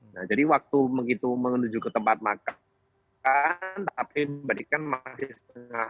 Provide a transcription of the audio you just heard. nah jadi waktu begitu menuju ke tempat makan tapi memberikan masih setengah